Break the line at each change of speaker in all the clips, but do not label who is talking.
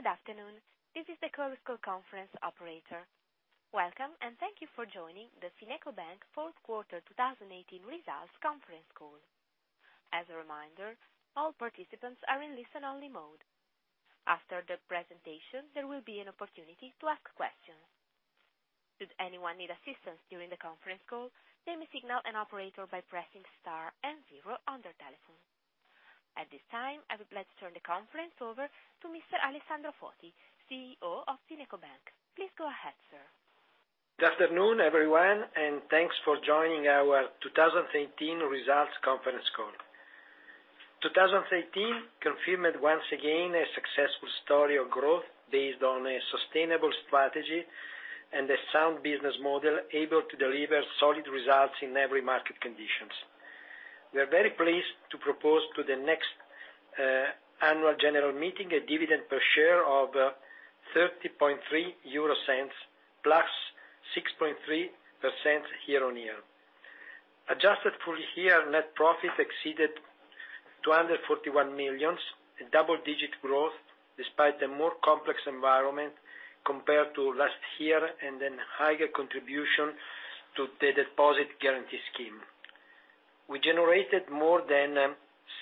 Good afternoon. This is the conference call conference operator. Welcome, and thank you for joining the FinecoBank fourth quarter 2018 results conference call. As a reminder, all participants are in listen-only mode. After the presentation, there will be an opportunity to ask questions. Should anyone need assistance during the conference call, they may signal an operator by pressing Star and zero on their telephone. At this time, I would like to turn the conference over to Mr. Alessandro Foti, CEO of FinecoBank. Please go ahead, sir.
Good afternoon, everyone, thanks for joining our 2018 results conference call. 2018 confirmed once again a successful story of growth based on a sustainable strategy and a sound business model able to deliver solid results in every market conditions. We are very pleased to propose to the next annual general meeting a dividend per share of EUR 0.303, +6.3% year-on-year. Adjusted full year net profit exceeded 241 million, a double-digit growth despite the more complex environment compared to last year, and higher contribution to the deposit guarantee scheme. We generated more than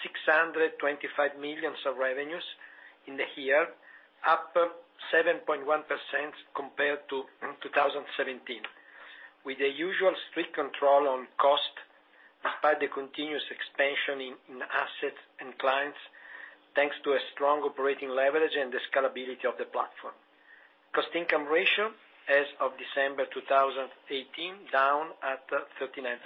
625 million of revenues in the year, up 7.1% compared to 2017. With the usual strict control on cost, despite the continuous expansion in assets and clients, thanks to a strong operating leverage and the scalability of the platform. Cost-income ratio as of December 2018, down at 39%.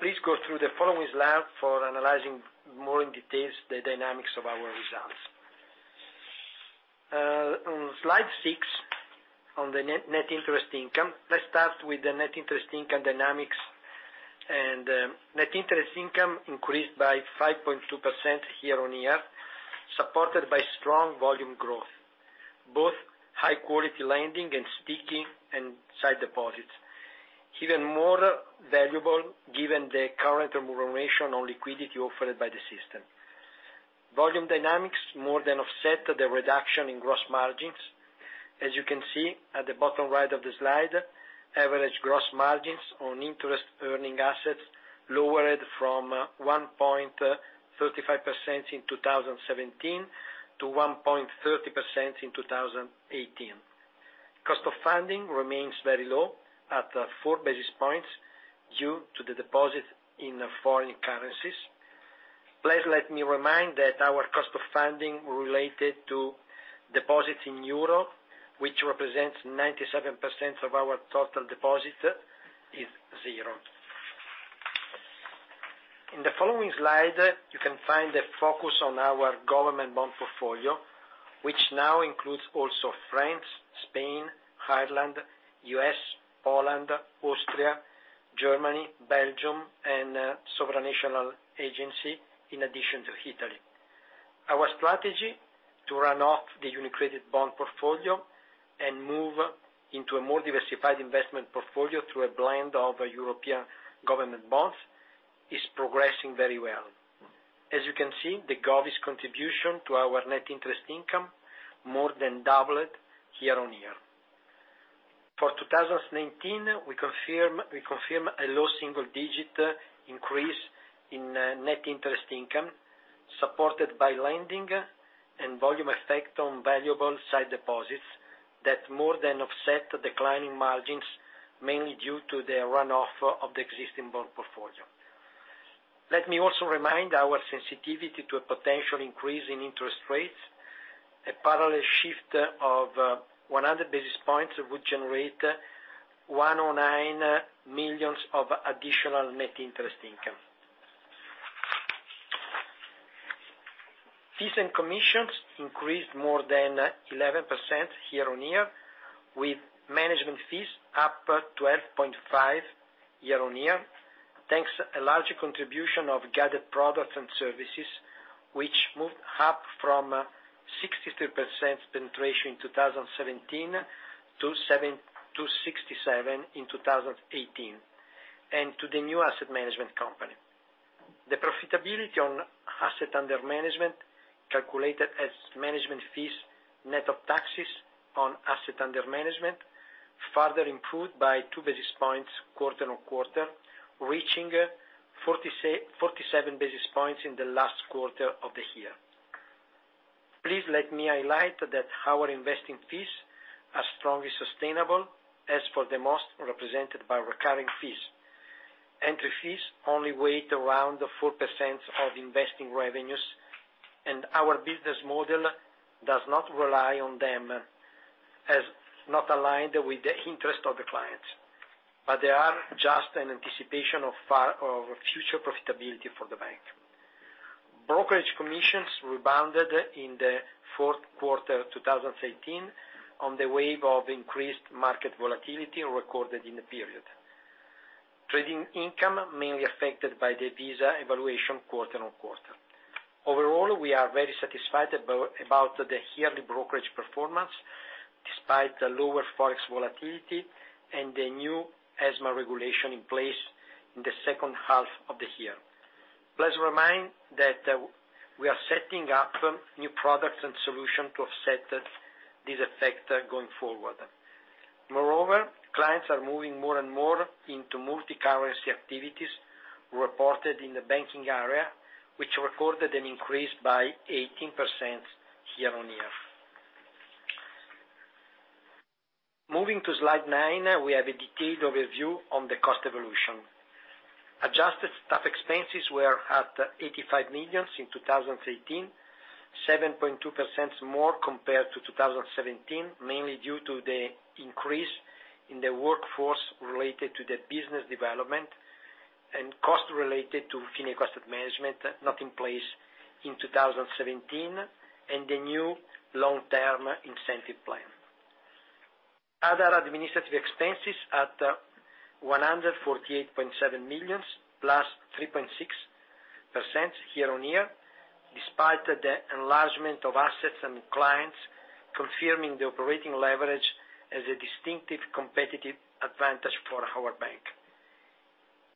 Please go through the following slide for analyzing more in details the dynamics of our results. On slide six, on the net interest income. Let's start with the net interest income dynamics. Net interest income increased by 5.2% year-on-year, supported by strong volume growth, both high quality lending and sticky and sight deposits. Even more valuable given the current remuneration on liquidity offered by the system. Volume dynamics more than offset the reduction in gross margins. As you can see at the bottom right of the slide, average gross margins on interest-earning assets lowered from 1.35% in 2017 to 1.30% in 2018. Cost of funding remains very low at four basis points due to the deposit in foreign currencies. Please let me remind that our cost of funding related to deposits in EUR, which represents 97% of our total deposit, is zero. In the following slide, you can find a focus on our government bond portfolio, which now includes also France, Spain, Ireland, U.S., Poland, Austria, Germany, Belgium, and Sovereign, Supranational, and Agency, in addition to Italy. Our strategy to run off the UniCredit bond portfolio and move into a more diversified investment portfolio through a blend of European government bonds is progressing very well. As you can see, the gov's contribution to our net interest income more than doubled year-on-year. For 2019, we confirm a low single-digit increase in net interest income, supported by lending and volume effect on valuable side deposits that more than offset declining margins, mainly due to the run-off of the existing bond portfolio. Let me also remind our sensitivity to a potential increase in interest rates. A parallel shift of 100 basis points would generate 109 million of additional net interest income. Fees and commissions increased more than 11% year-on-year, with management fees up 12.5% year-on-year, thanks to a larger contribution of guided products and services, which moved up from 63% penetration in 2017 to 67% in 2018, and to the new asset management company. The profitability on assets under management, calculated as management fees, net of taxes on assets under management, further improved by 2 basis points quarter-on-quarter, reaching 47 basis points in the last quarter of the year. Please let me highlight that our investing fees are strongly sustainable as for the most represented by recurring fees. Entry fees only weigh around 4% of investing revenues, and our business model does not rely on them as not aligned with the interest of the clients. They are just an anticipation of future profitability for the bank. Brokerage commissions rebounded in the fourth quarter 2018 on the wave of increased market volatility recorded in the period. Trading income mainly affected by the Visa valuation quarter-on-quarter. Overall, we are very satisfied about the yearly brokerage performance despite the lower Forex volatility and the new ESMA regulation in place in the second half of the year. Please remind that we are setting up new products and solutions to offset this effect going forward. Moreover, clients are moving more and more into multicurrency activities reported in the banking area, which recorded an increase by 18% year-on-year. Moving to slide nine, we have a detailed overview on the cost evolution. Adjusted staff expenses were at 85 million in 2018, 7.2% more compared to 2017, mainly due to the increase in the workforce related to the business development and cost related to Fineco Asset Management not in place in 2017, and the new long-term incentive plan. Other administrative expenses at 148.7 million, +3.6% year-on-year, despite the enlargement of assets and clients confirming the operating leverage as a distinctive competitive advantage for our bank.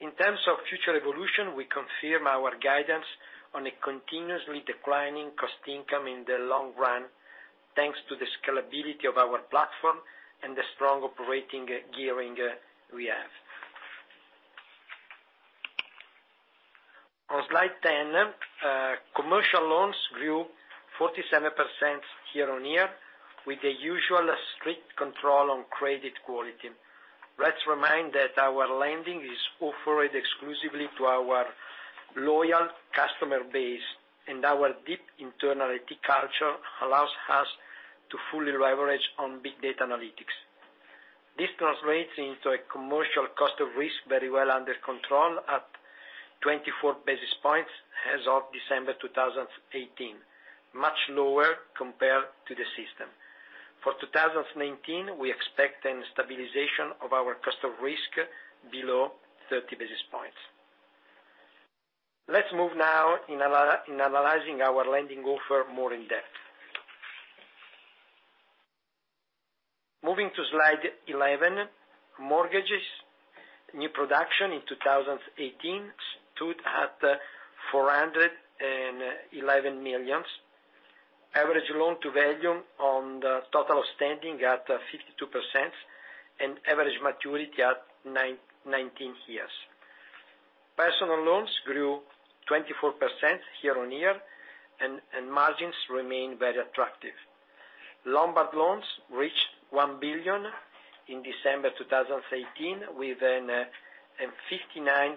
In terms of future evolution, we confirm our guidance on a continuously declining cost income in the long run, thanks to the scalability of our platform and the strong operating gearing we have. On slide 10, commercial loans grew 47% year-on-year with the usual strict control on credit quality. Let's remind that our lending is offered exclusively to our loyal customer base, and our deep internal IT culture allows us to fully leverage on big data analytics. This translates into a commercial cost of risk very well under control at 24 basis points as of December 2018, much lower compared to the system. For 2019, we expect a stabilization of our cost of risk below 30 basis points. Let's move now in analyzing our lending offer more in depth. Moving to slide 11, mortgages. New production in 2018 stood at 411 million. Average loan-to-value on the total standing at 52%, and average maturity at 19 years. Personal loans grew 24% year-on-year and margins remain very attractive. Lombard loans reached 1 billion in December 2018 with a 59.5%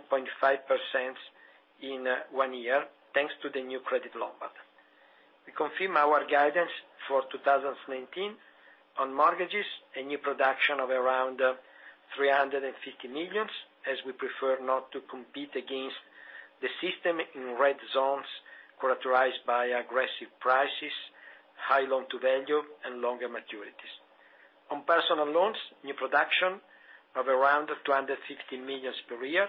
in one year, thanks to the new Credit Lombard. We confirm our guidance for 2019 on mortgages, a new production of around 350 million, as we prefer not to compete against the system in red zones characterized by aggressive prices, high loan-to-value, and longer maturities. On personal loans, new production of around 250 million per year.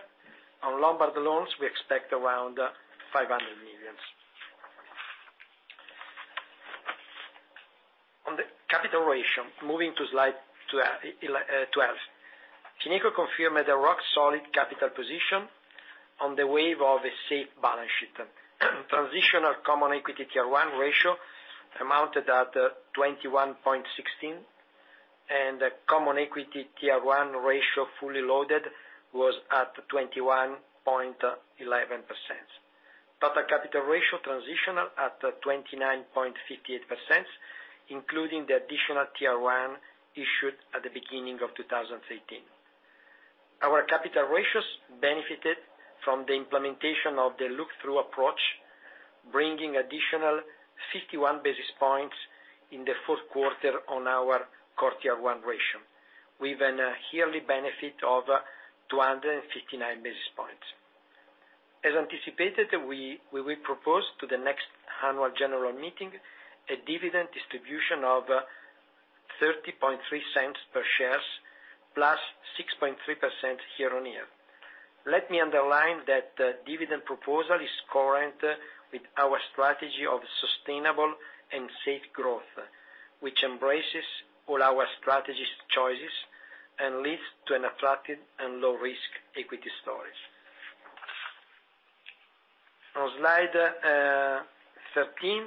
On Lombard loans, we expect around 500 million. On the capital ratio, moving to slide 12. Fineco confirmed the rock-solid capital position on the wave of a safe balance sheet. Transitional Common Equity Tier 1 ratio amounted at 21.16%, and Common Equity Tier 1 ratio fully loaded was at 21.11%. Total Capital Ratio transitional at 29.58%, including the Additional Tier 1 issued at the beginning of 2018. Our capital ratios benefited from the implementation of the look-through approach, bringing additional 51 basis points in the fourth quarter on our Core Tier 1 ratio, with an yearly benefit of 259 basis points. As anticipated, we will propose to the next annual general meeting a dividend distribution of 0.303 per shares, plus 6.3% year-on-year. Let me underline that the dividend proposal is current with our strategy of sustainable and safe growth, which embraces all our strategy choices and leads to an attractive and low-risk equity stories. On slide 13,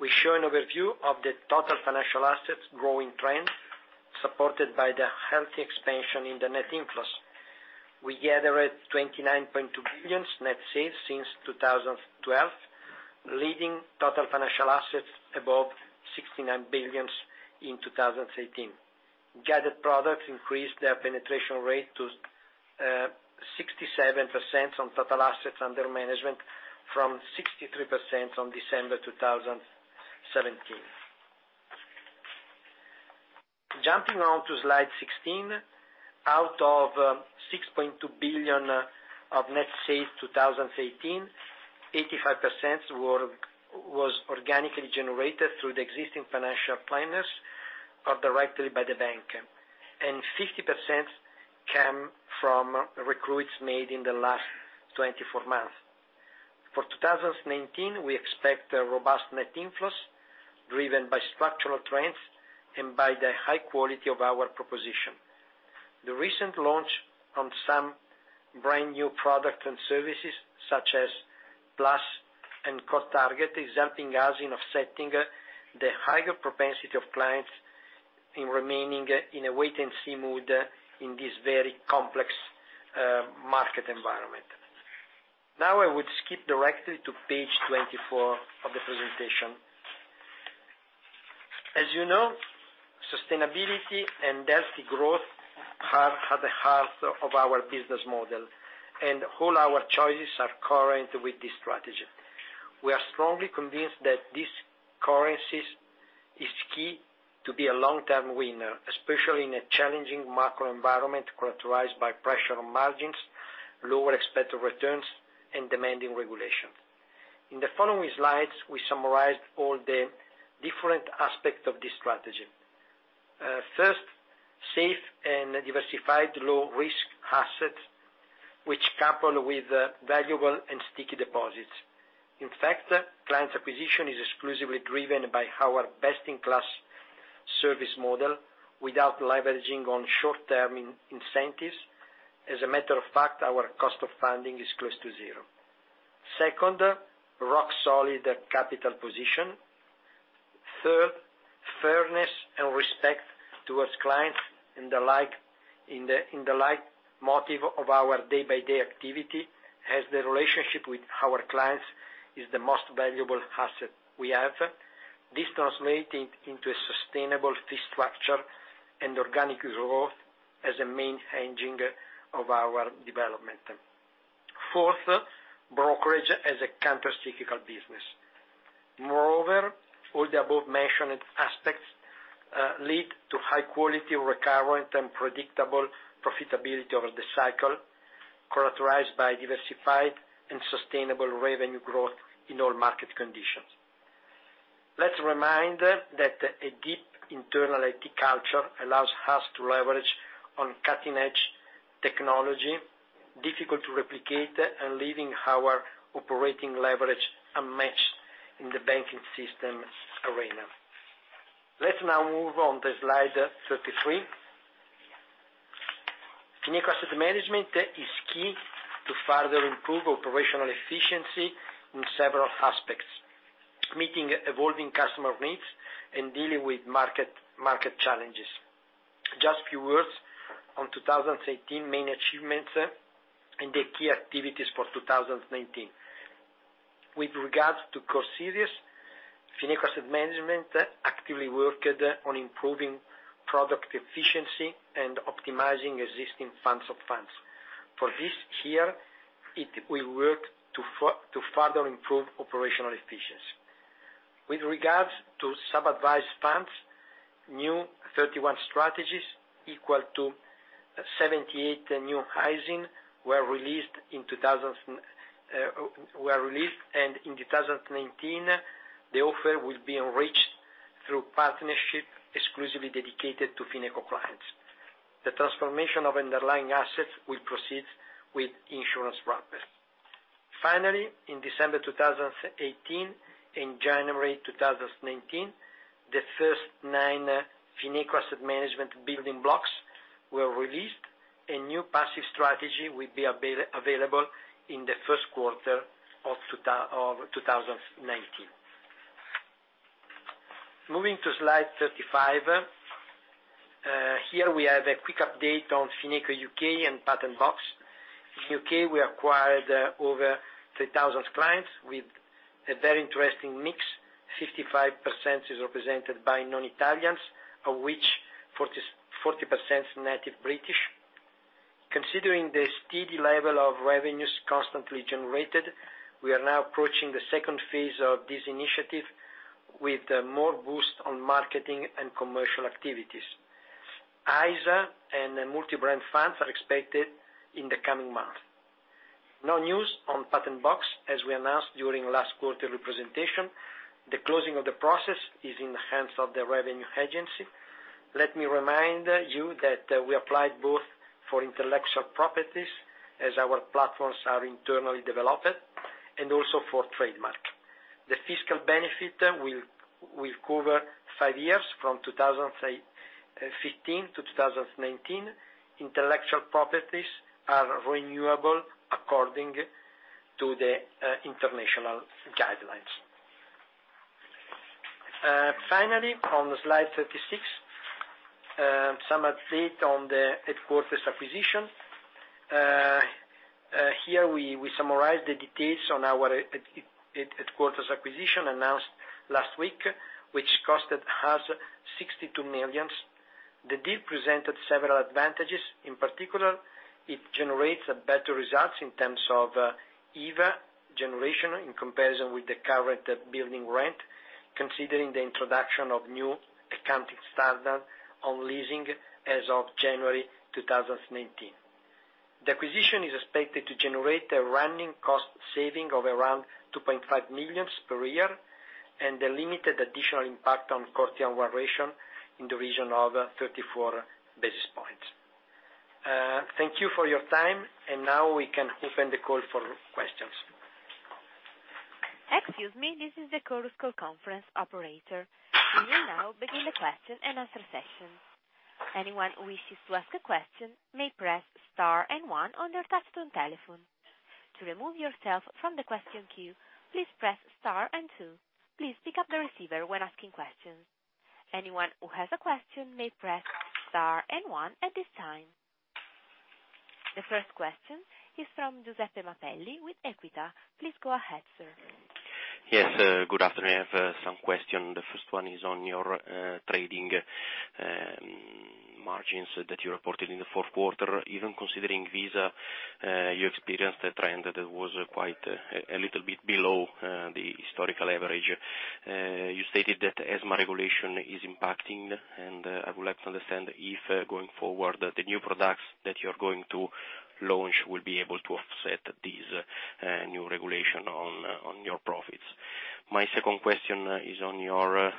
we show an overview of the total financial assets growing trend supported by the healthy expansion in the net inflows. We gathered 29.2 billion net sales since 2012, leading total financial assets above 69 billion in 2018. Gathered products increased their penetration rate to 67% on total assets under management from 63% on December 2017. Jumping on to slide 16, out of 6.2 billion of net sales 2018, 85% was organically generated through the existing financial planners or directly by the bank, and 50% came from recruits made in the last 24 months. For 2019, we expect a robust net inflows driven by structural trends and by the high quality of our proposition. The recent launch on some brand-new product and services, such as Plus and Core Target, is helping us in offsetting the higher propensity of clients in remaining in a wait-and-see mode in this very complex market environment. Now I would skip directly to page 24 of the presentation. As you know, sustainability and healthy growth are at the heart of our business model, and all our choices are current with this strategy. We are strongly convinced that this currencies is key to be a long-term winner, especially in a challenging macro environment characterized by pressure on margins, lower expected returns, and demanding regulation. In the following slides, we summarized all the different aspects of this strategy. First, safe and diversified low-risk assets, which coupled with valuable and sticky deposits. In fact, client acquisition is exclusively driven by our best-in-class service model without leveraging on short-term incentives. As a matter of fact, our cost of funding is close to zero. Second, rock solid capital position. Third, fairness and respect towards clients in the leitmotif of our day-by-day activity, as the relationship with our clients is the most valuable asset we have. This translating into a sustainable fee structure and organic growth as a main engine of our development. Fourth, brokerage as a counter-cyclical business. All the above-mentioned aspects, lead to high quality recurrent and predictable profitability over the cycle, characterized by diversified and sustainable revenue growth in all market conditions. Let us remind that a deep internal IT culture allows us to leverage on cutting-edge technology, difficult to replicate, and leaving our operating leverage unmatched in the banking system arena. Let us now move on to slide 33. Fineco Asset Management is key to further improve operational efficiency in several aspects, meeting evolving customer needs and dealing with market challenges. Just a few words on 2018 main achievements and the key activities for 2019. With regards to CORE Series, Fineco Asset Management actively worked on improving product efficiency and optimizing existing funds of funds. For this year, it will work to further improve operational efficiency. With regards to sub-advised funds, new 31 strategies equal to 78 new ISINs were released. In 2019, the offer will be enriched through partnership exclusively dedicated to Fineco clients. The transformation of underlying assets will proceed with insurance wrappers. In December 2018 and January 2019, the first nine Fineco Asset Management building blocks were released. A new passive strategy will be available in the first quarter of 2019. Moving to slide 35. Here we have a quick update on Fineco U.K. and Patent Box. In U.K., we acquired over 3,000 clients with a very interesting mix. 55% is represented by non-Italians, of which 40% is native British. Considering the steady level of revenues constantly generated, we are now approaching the phase 2 of this initiative with more boost on marketing and commercial activities. ISA and multi-brand funds are expected in the coming months. No news on Patent Box. As we announced during last quarter representation, the closing of the process is in the hands of the Revenue Agency. Let us remind you that we applied both for intellectual properties, as our platforms are internally developed, and also for trademark. The fiscal benefit will cover five years from 2015 to 2019. Intellectual properties are renewable according to the international guidelines. On slide 36, some update on the headquarters acquisition. Here we summarize the details on our headquarters acquisition announced last week, which cost us 62 million. The deal presented several advantages. In particular, it generates better results in terms of EVA generation in comparison with the current building rent, considering the introduction of new accounting standard on leasing as of January 2019. The acquisition is expected to generate a running cost saving of around 2.5 million per year and a limited additional impact on cost-to-income ratio in the region of 34 basis points. Thank you for your time. Now we can open the call for questions.
Excuse me. This is the Chorus Call conference operator. We will now begin the question and answer session. Anyone who wishes to ask a question may press Star and One on their touch-tone telephone. To remove yourself from the question queue, please press Star and Two. Please pick up the receiver when asking questions. Anyone who has a question may press Star and One at this time. The first question is from Giuseppe Mapelli with Equita. Please go ahead, sir.
Yes. Good afternoon. I have some questions. The first one is on your trading margins that you reported in the fourth quarter. Even considering Visa, you experienced a trend that was quite a little bit below the historical average. You stated that ESMA regulation is impacting. I would like to understand if, going forward, the new products that you're going to launch will be able to offset this new regulation on your profits. My second question is on your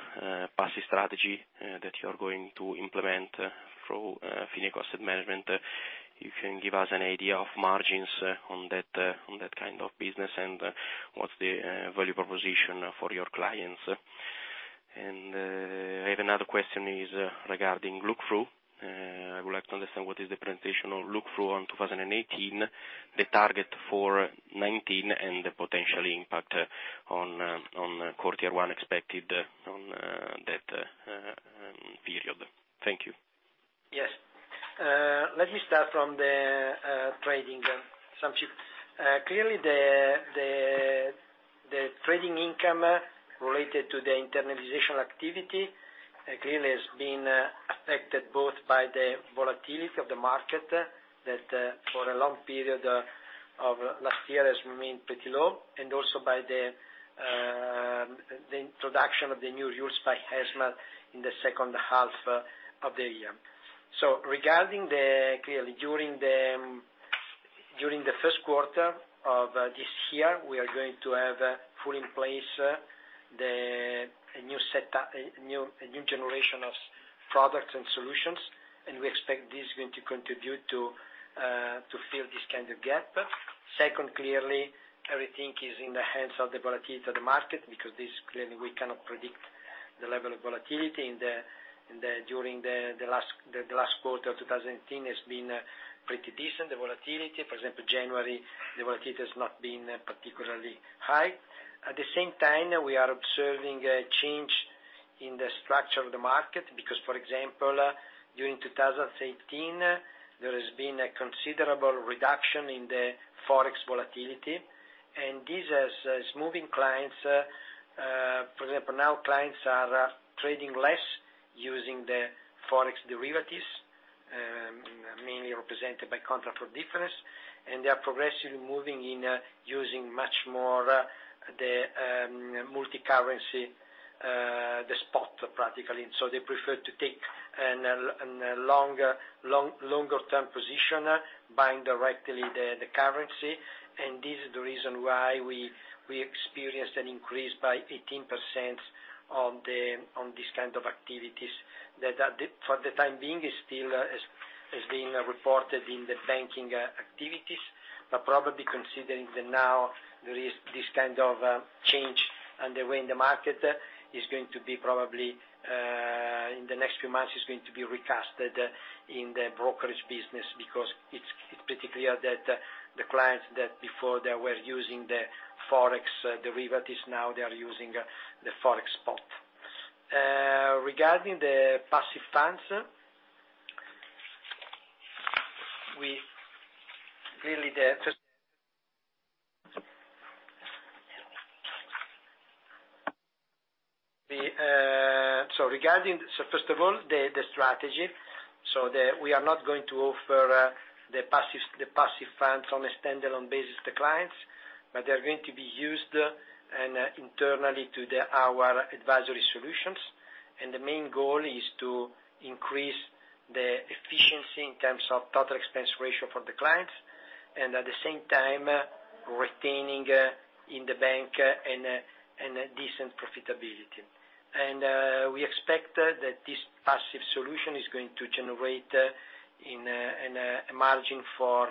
passive strategy that you're going to implement through Fineco Asset Management. You can give us an idea of margins on that kind of business and what's the value proposition for your clients? I have another question is regarding look-through. I would like to understand what is the presentation of look-through on 2018, the target for 2019, and the potential impact on Core Tier 1 expected on that period. Thank you.
Yes. Let me start from the trading assumptions. Clearly, the trading income related to the internalization activity clearly has been affected both by the volatility of the market, that for a long period of last year has remained pretty low, and also by the introduction of the new rules by ESMA in the second half of the year. Regarding, clearly, during the first quarter of this year, we are going to have full in place a new generation of products and solutions, and we expect this is going to contribute to fill this kind of gap. Second, clearly, everything is in the hands of the volatility of the market because this clearly we cannot predict the level of volatility. During the last quarter of 2018 has been pretty decent, the volatility. For example, January, the volatility has not been particularly high. At the same time, we are observing a change in the structure of the market because, for example, during 2018, there has been a considerable reduction in the Forex volatility. This has moving clients. For example, now clients are trading less using the Forex derivatives, mainly represented by Contract for Difference, they are progressively moving in using much more the multi-currency, the spot, practically. They prefer to take a longer term position buying directly the currency. This is the reason why we experienced an increase by 18% on these kind of activities that for the time being still is being reported in the banking activities. Probably considering that now there is this kind of change and the way in the market is going to be probably, in the next few months, is going to be recasted in the brokerage business because it's pretty clear that the clients that before they were using the Forex derivatives, now they are using the Forex spot. Regarding the passive funds. First of all, the strategy. We are not going to offer the passive funds on a standalone basis to clients, but they're going to be used internally to our advisory solutions. The main goal is to increase the efficiency in terms of total expense ratio for the clients, and at the same time, retaining in the bank and a decent profitability. We expect that this passive solution is going to generate a margin for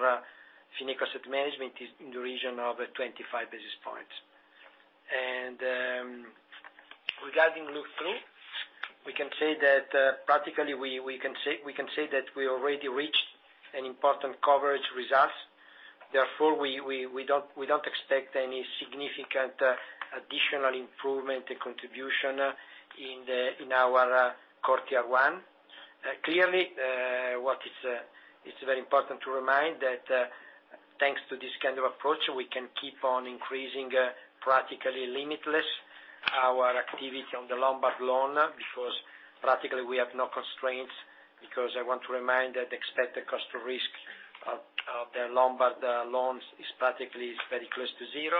Fineco Asset Management in the region of 25 basis points. Regarding look-through, we can say that practically we already reached an important coverage results. Therefore, we don't expect any significant additional improvement and contribution in our Core Tier 1. Clearly, what is very important to remind that thanks to this kind of approach, we can keep on increasing practically limitless our activity on the Lombard loan, because practically we have no constraints, because I want to remind that expected cost of risk of the Lombard loans is practically very close to zero.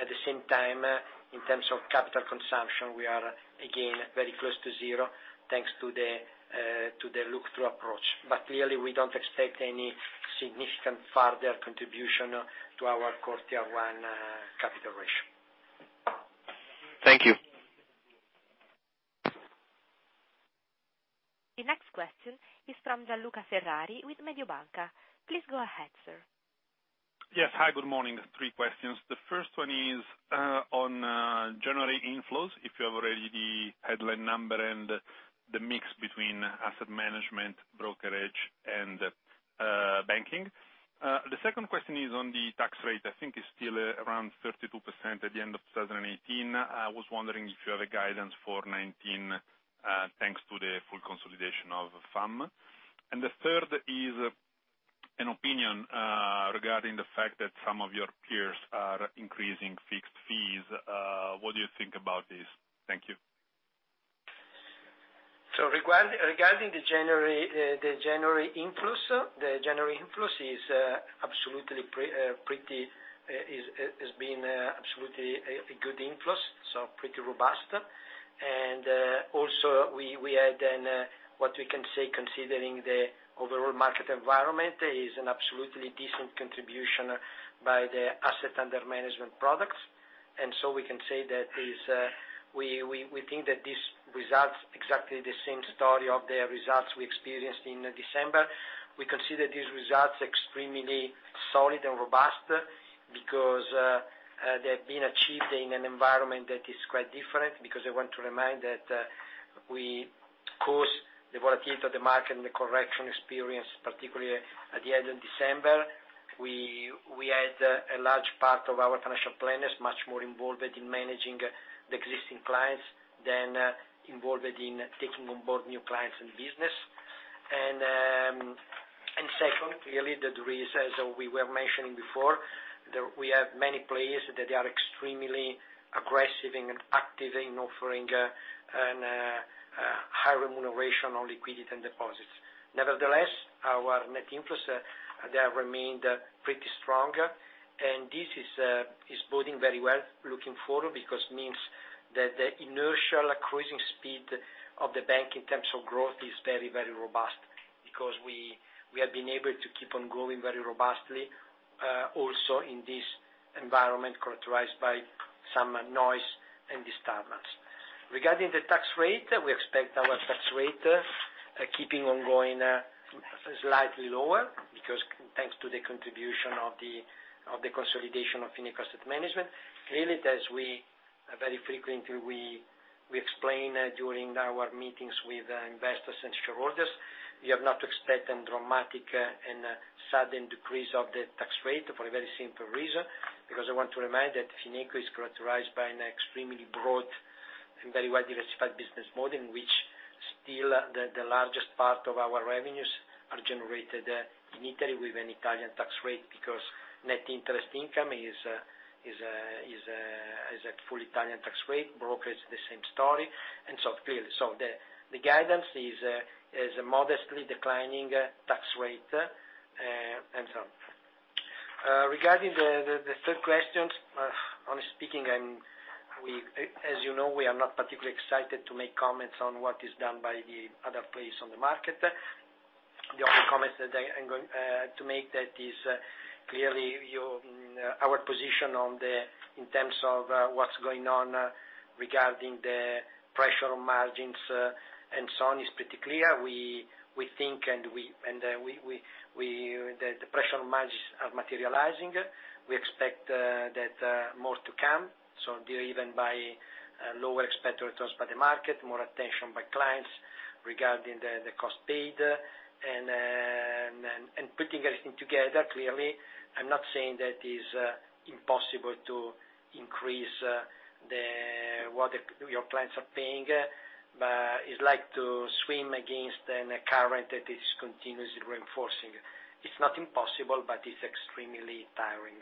At the same time, in terms of capital consumption, we are again very close to zero thanks to the look-through approach. Clearly we don't expect any significant further contribution to our Core Tier 1 capital ratio.
Thank you.
The next question is from Gian Luca Ferrari with Mediobanca. Please go ahead, sir.
Yes. Hi, good morning. Three questions. The first one is on January inflows, if you have already the headline number and the mix between asset management, brokerage, and banking. The second question is on the tax rate, I think it is still around 32% at the end of 2018. I was wondering if you have a guidance for 2019, thanks to the full consolidation of FAM. The third is an opinion regarding the fact that some of your peers are increasing fixed fees. What do you think about this? Thank you.
Regarding the January inflows, the January inflows has been absolutely a good inflows, so pretty robust. Also, we had then, what we can say, considering the overall market environment, is an absolutely decent contribution by the asset under management products. We can say that we think that these results are exactly the same story of the results we experienced in December. We consider these results extremely solid and robust because they have been achieved in an environment that is quite different. I want to remind that we caused the volatility of the market and the correction experience, particularly at the end of December. We had a large part of our financial planners much more involved in managing the existing clients than involved in taking on board new clients and business. Second, clearly, the reason, as we were mentioning before, we have many players that are extremely aggressive and active in offering high remuneration on liquidity and deposits. Nevertheless, our net inflows have remained pretty strong, and this is boding very well looking forward because it means that the inertial cruising speed of the bank in terms of growth is very robust. We have been able to keep on growing very robustly, also in this environment characterized by some noise and disturbance. Regarding the tax rate, we expect our tax rate keeping on going slightly lower because thanks to the contribution of the consolidation of Fineco Asset Management. As very frequently we explain during our meetings with investors and shareholders, we do not expect a dramatic and sudden decrease of the tax rate for a very simple reason, because I want to remind that Fineco is characterized by an extremely broad and very well-diversified business model, in which still the largest part of our revenues are generated in Italy with an Italian tax rate, because net interest income is at full Italian tax rate. Brokerage, the same story. Clearly, the guidance is a modestly declining tax rate. Regarding the third question, honestly speaking, as you know, we are not particularly excited to make comments on what is done by the other players on the market. The only comments that I am going to make that is clearly our position in terms of what's going on regarding the pressure on margins and so on is pretty clear. We think, the pressure on margins are materializing. We expect that more to come, so driven by lower expected returns by the market, more attention by clients regarding the cost paid. Putting everything together, clearly, I'm not saying that it's impossible to increase what your clients are paying, but it's like to swim against a current that is continuously reinforcing. It's not impossible, but it's extremely tiring.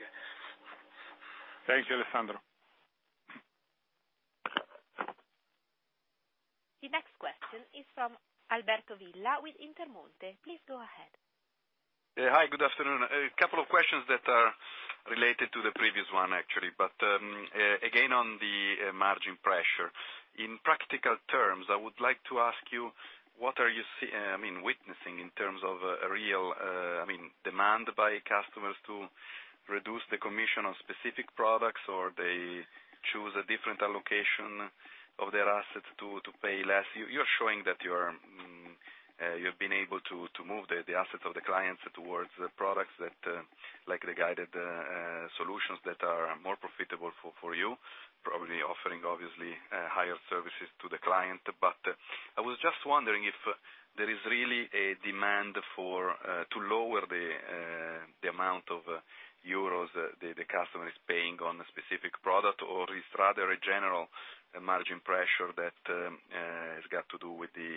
Thank you, Alessandro.
The next question is from Alberto Villa with Intermonte. Please go ahead.
Yeah. Hi, good afternoon. A couple of questions that are related to the previous one, actually. Again, on the margin pressure. In practical terms, I would like to ask you, what are you witnessing in terms of real demand by customers to reduce the commission on specific products, or they choose a different allocation of their assets to pay less? You're showing that you've been able to move the assets of the clients towards products like the guided solutions that are more profitable for you, probably offering, obviously, higher services to the client. I was just wondering if there is really a demand to lower the amount of EUR the customer is paying on a specific product, or is it rather a general margin pressure that has got to do with the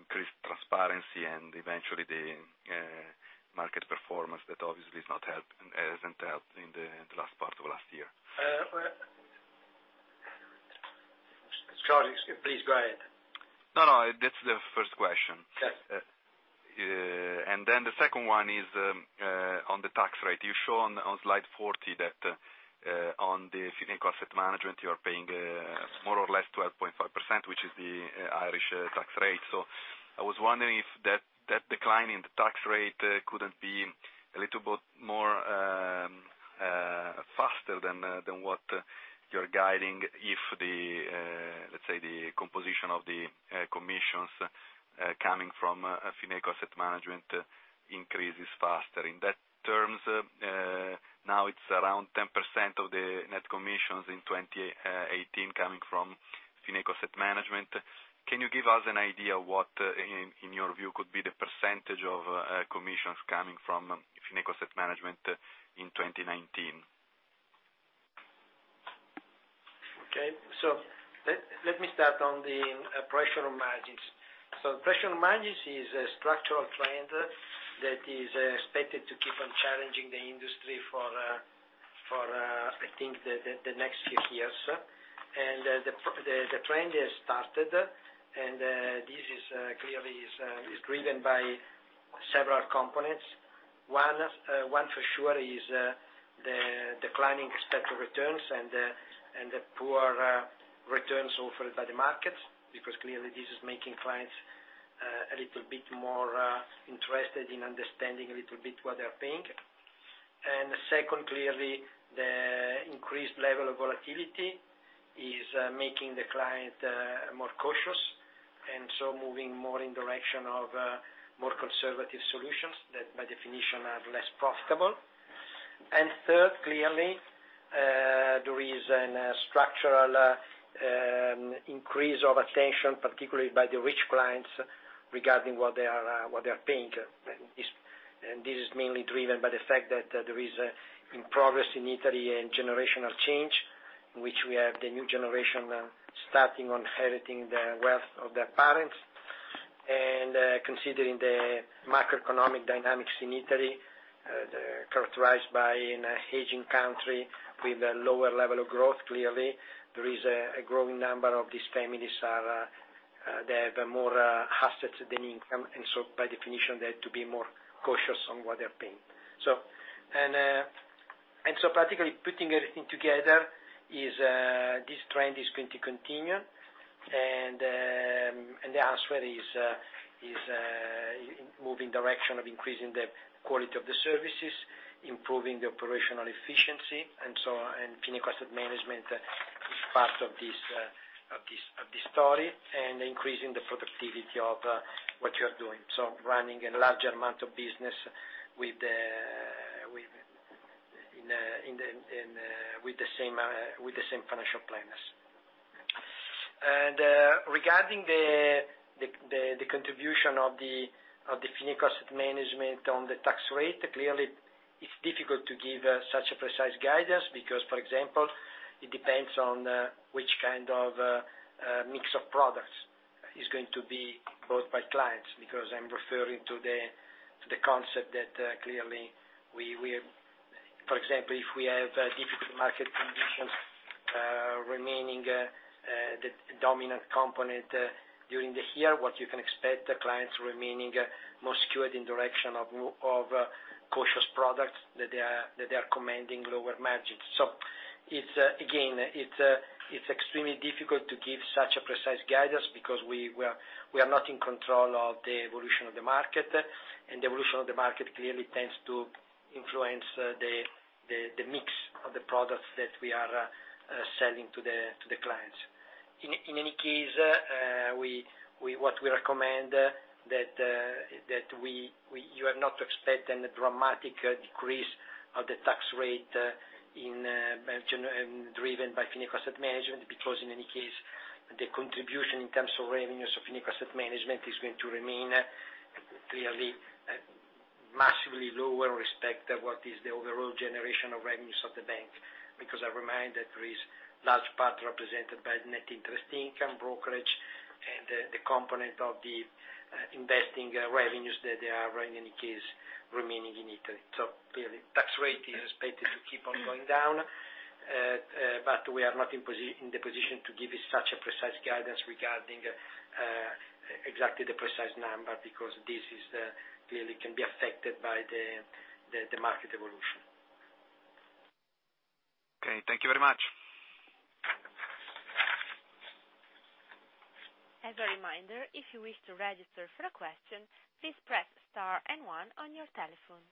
increased transparency and eventually the market performance that obviously hasn't helped in the last part of last year?
Sorry, please go ahead.
That's the first question.
Okay.
The second one is on the tax rate. You show on slide 40 that on the Fineco Asset Management, you are paying more or less 12.5%, which is the Irish tax rate. I was wondering if that decline in the tax rate couldn't be a little bit more faster than what you're guiding if, let's say, the composition of the commissions coming from Fineco Asset Management increases faster. In those terms, now it's around 10% of the net commissions in 2018 coming from Fineco Asset Management. Can you give us an idea what, in your view, could be the percentage of commissions coming from Fineco Asset Management in 2019?
Okay. Let me start on the pressure on margins. Pressure on margins is a structural trend that is expected to keep on challenging the industry for, I think, the next few years. The trend has started, and this clearly is driven by several components. One for sure is the declining set of returns and the poor returns offered by the market, because clearly this is making clients a little bit more interested in understanding a little bit what they're paying. Second, clearly, the increased level of volatility is making the client more cautious, moving more in the direction of more conservative solutions that by definition are less profitable. Third, clearly, there is a structural increase of attention, particularly by the rich clients, regarding what they are paying. This is mainly driven by the fact that there is a progress in Italy in generational change, in which we have the new generation starting on inheriting the wealth of their parents. Considering the macroeconomic dynamics in Italy, characterized by an aging country with a lower level of growth, clearly there is a growing number of these families, they have more assets than income, by definition, they have to be more cautious on what they're paying. Practically, putting everything together, this trend is going to continue, the answer is moving in the direction of increasing the quality of the services, improving the operational efficiency, Fineco Asset Management is part of this story, increasing the productivity of what you're doing. Running a larger amount of business with the same financial planners. Regarding the contribution of the Fineco Asset Management on the tax rate, clearly, it's difficult to give such a precise guidance because, for example, it depends on which kind of mix of products is going to be bought by clients, because I'm referring to the concept that clearly we have, for example, if we have difficult market conditions remaining the dominant component during the year, what you can expect, the clients remaining more skewed in the direction of cautious products that they are commanding lower margins. Again, it's extremely difficult to give such a precise guidance because we are not in control of the evolution of the market, the evolution of the market clearly tends to influence the mix of the products that we are selling to the clients. In any case, what we recommend that you are not to expect any dramatic decrease of the tax rate driven by Fineco Asset Management, because in any case, the contribution in terms of revenues of Fineco Asset Management is going to remain clearly massively lower in respect of what is the overall generation of revenues of the bank. Because I remind that there is large part represented by net interest income brokerage and the component of the investing revenues that they are, in any case, remaining in Italy. Clearly, tax rate is expected to keep on going down, but we are not in the position to give such a precise guidance regarding exactly the precise number, because this clearly can be affected by the market evolution.
Okay. Thank you very much.
As a reminder, if you wish to register for a question, please press * and 1 on your telephone.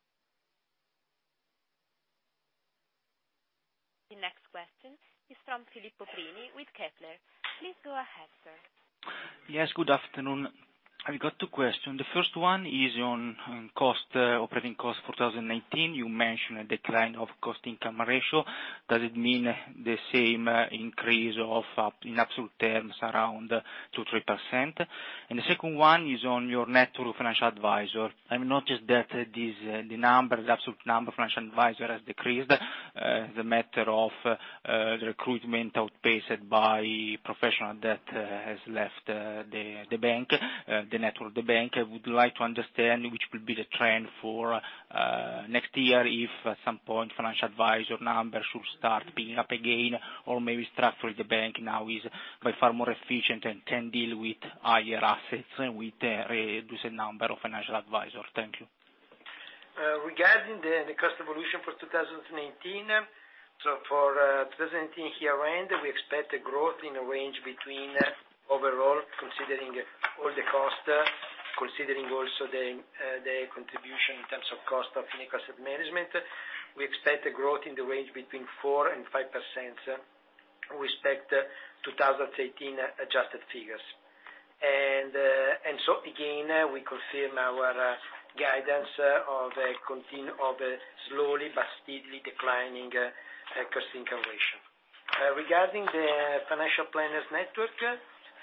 The next question is from Filippo Pini with Kepler. Please go ahead, sir.
Yes, good afternoon. I've got two questions. The first one is on operating costs for 2019. You mentioned a decline of cost-income ratio. Does it mean the same increase in absolute terms around 2%, 3%? The second one is on your net new financial advisor. I've noticed that the absolute number of financial advisor has decreased. Is a matter of the recruitment outpaced by professionals that have left the bank, the network of the bank? I would like to understand which will be the trend for next year if at some point financial advisor numbers should start being up again or maybe the structure of the bank now is by far more efficient and can deal with higher assets with a reduced number of financial advisors. Thank you.
Regarding the cost evolution for 2019. For 2018 year-end, we expect a growth in the range between overall, considering all the cost, considering also the contribution in terms of cost of Asset Management, we expect a growth in the range between 4% and 5% with respect to 2018 adjusted figures. Again, we confirm our guidance of a slowly but steadily declining cost-income ratio. Regarding the financial planners network,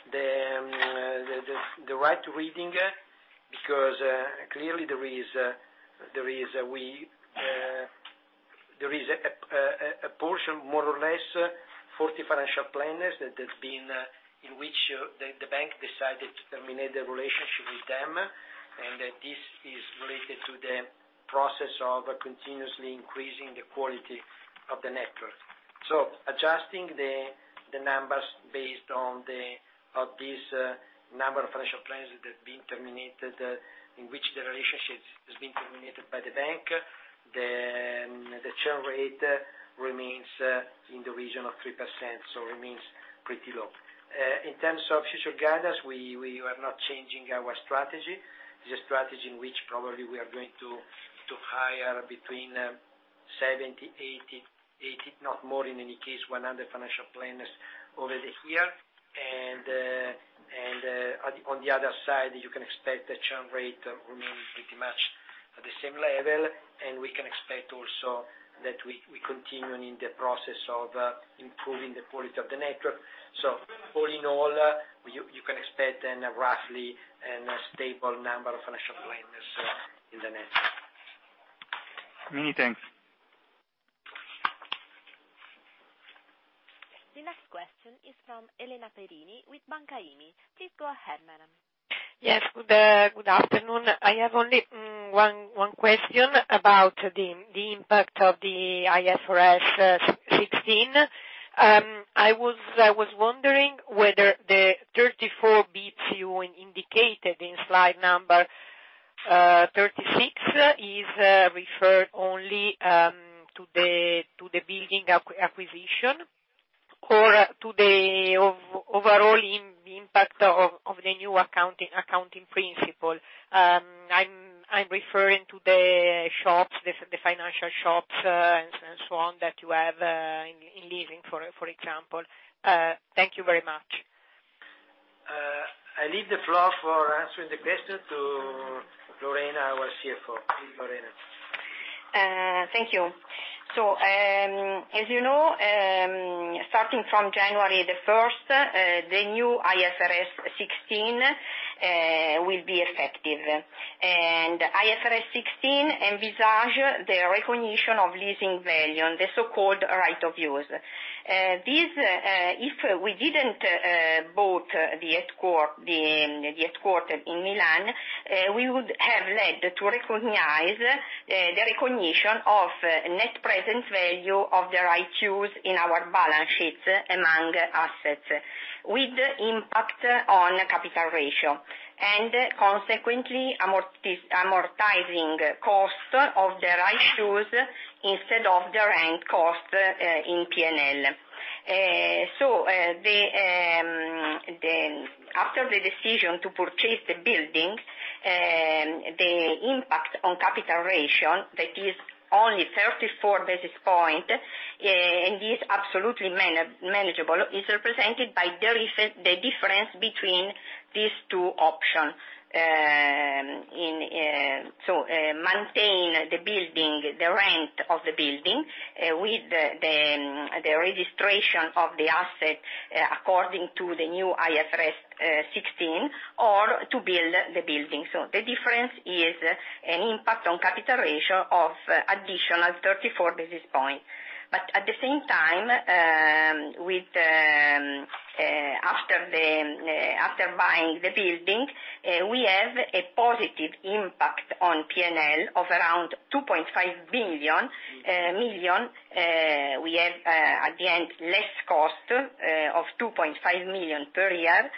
the right reading, because clearly there is a portion more or less 40 financial planners that the bank decided to terminate the relationship with them, and that this is related to the process of continuously increasing the quality of the network. Adjusting the numbers based on this number of financial planners that have been terminated, in which the relationship has been terminated by the bank, the churn rate remains in the region of 3%, so remains pretty low. In terms of future guidance, we are not changing our strategy. It's a strategy in which probably we are going to hire between 70, 80, not more in any case, 100 financial planners over the year. On the other side, you can expect the churn rate remains pretty much at the same level, and we can expect also that we continue in the process of improving the quality of the network. All in all, you can expect a roughly stable number of financial planners in the network.
Many thanks.
The next question is from Elena Perini with Banca IMI. Please go ahead, madam.
Yes. Good afternoon. I have only one question about the impact of the IFRS 16. I'm wondering whether the 34 basis points you indicated in slide number 36 is referred only to the building acquisition or to the overall impact of the new accounting principle. I'm referring to the financial shops and so on that you have in leasing, for example. Thank you very much.
I leave the floor for answering the question to Lorena, our CFO. Please, Lorena.
Thank you. As you know, starting from January 1st, the new IFRS 16 will be effective. IFRS 16 envisage the recognition of leasing value on the so-called right of use. If we didn't bought the headquarters in Milan, we would have led to the recognition of net present value of the right of use in our balance sheets among assets, with impact on capital ratio. Consequently, amortizing cost of the right of use instead of the rent cost in P&L. After the decision to purchase the building, the impact on capital ratio, that is only 34 basis points, and is absolutely manageable, is represented by the difference between these two options. Maintain the building, the rent of the building, with the registration of the asset according to the new IFRS 16, or to build the building. The difference is an impact on capital ratio of additional 34 basis points. At the same time, after buying the building, we have a positive impact on P&L of around 2.5 million. We have, at the end, less cost of 2.5 million per year,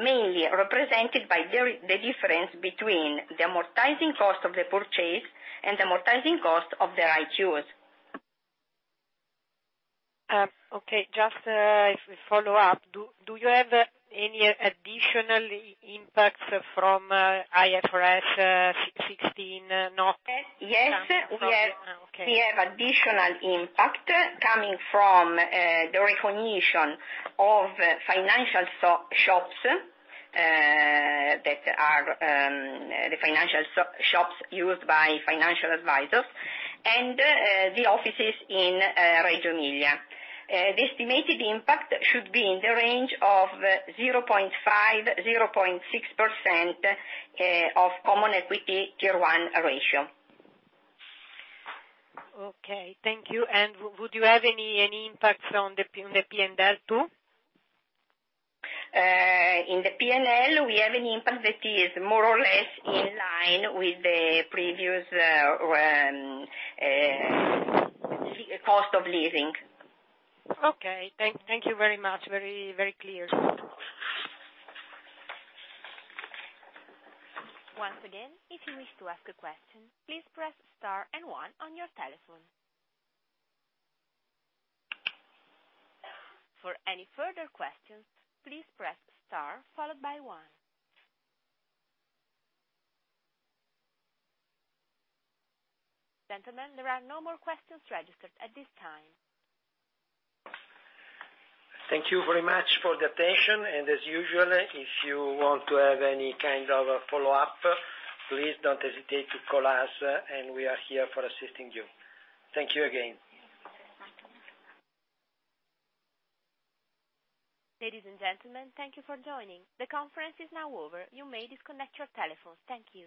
mainly represented by the difference between the amortizing cost of the purchase and the amortizing cost of the right of use.
Okay. Just as a follow-up, do you have any additional impacts from IFRS 16 note?
Yes.
Okay.
We have additional impact coming from the recognition of financial shops, that are the financial shops used by financial advisors and the offices in Reggio Emilia. The estimated impact should be in the range of 0.5%-0.6% of Common Equity Tier 1 ratio.
Okay. Thank you. Would you have any impact on the P&L too?
In the P&L, we have an impact that is more or less in line with the previous cost of leasing.
Okay. Thank you very much. Very clear.
Once again, if you wish to ask a question, please press star and one on your telephone. For any further questions, please press star followed by one. Gentlemen, there are no more questions registered at this time.
Thank you very much for the attention, and as usual, if you want to have any kind of follow-up, please don't hesitate to call us, and we are here for assisting you. Thank you again.
Ladies and gentlemen, thank you for joining. The conference is now over. You may disconnect your telephones. Thank you.